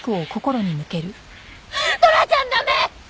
トラちゃんダメ！